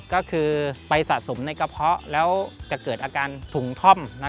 ก็คือไปสะสมในกระเพาะแล้วจะเกิดอาการถุงท่อม